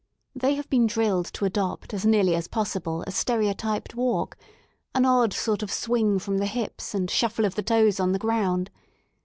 They have been drilled to adopt as nearly as possible a stereotyped walk, an odd sort of swing from the hips, and shuffle of the toes on the ground.